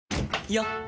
よっ！